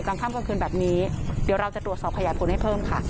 กลางค่ำกลางคืนแบบนี้เดี๋ยวเราจะตรวจสอบขยายผลให้เพิ่มค่ะ